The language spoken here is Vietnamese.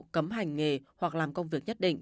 cấm hành nghề hoặc làm công việc nhất định